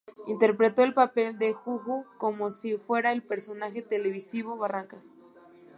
Interpretó el papel de Hu-hu, como si fuera el personaje televisivo Barrancas.